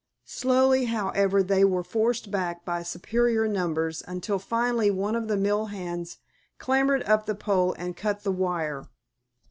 Slowly, however, they were forced back by superior numbers until finally one of the mill hands clambered up the pole and cut the wire.